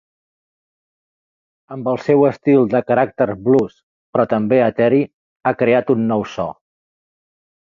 Amb el seu estil de caràcter blues però també eteri ha creat un nou so.